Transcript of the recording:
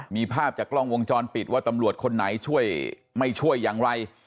มีภาพจากกล้องวงจรปิดว่าตำรวจคนไหนช่วยไม่ช่วยอย่างไร